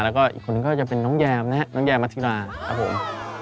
แล้วก็อีกคนนึงก็จะเป็นน้องแยมนะครับน้องแยมมัธิราครับผม